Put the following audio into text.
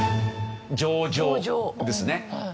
上場ですね。